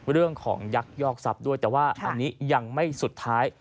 เรื่องของยักยอกทรัพย์ด้วยแต่ว่าอันนี้ยังไม่สุดท้าย